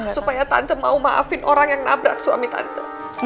supaya tante mau maafin orang yang nabrak suami tante